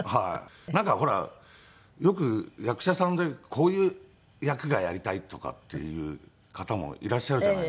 なんかほらよく役者さんでこういう役がやりたいとかっていう方もいらっしゃるじゃないですか。